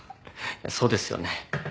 そうですよね。